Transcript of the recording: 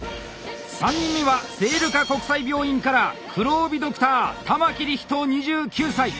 ３人目は聖路加国際病院から黒帯ドクター玉木理仁２９歳！